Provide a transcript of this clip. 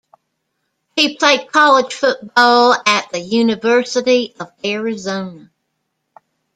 He played college football at the University of Arizona.